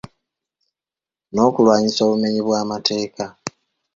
N'okulwanyisa obumenyi bw'amateeka.